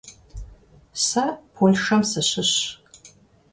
Сэ Полъшэм сыщыщщ.